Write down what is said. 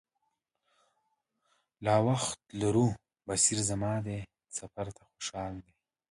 لا خو وخت لرو، بصیر زما دې سفر ته خوشاله دی.